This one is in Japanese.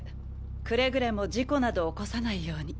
くれぐれも事故など起こさないように。